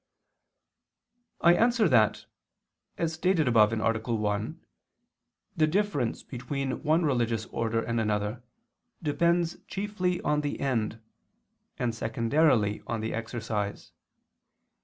I answer that, As stated above (A. 1), the difference between one religious order and another depends chiefly on the end, and secondarily on the exercise.